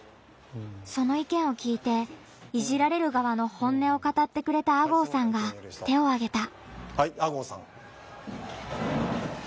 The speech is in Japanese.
その意見を聞いていじられる側の本音を語ってくれた吾郷さんが手をあげた。